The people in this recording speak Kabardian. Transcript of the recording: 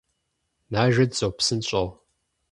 Нажэт, зо, псынщӏэу…